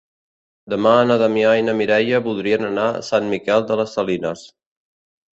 Demà na Damià i na Mireia voldrien anar a Sant Miquel de les Salines.